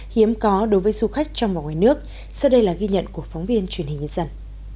hiếm có đối với du khách trong và ngoài nước sau đây là ghi nhận của phóng viên truyền hình nhân dân